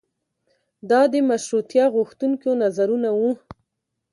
دا د مشروطیه غوښتونکیو نظریه وه.